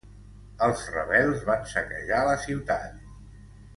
Els rebels van saquejar la ciutat.